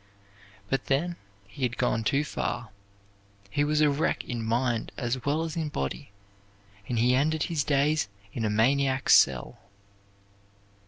But then he had gone too far. He was a wreck in mind as well as in body, and he ended his days in a maniac's cell."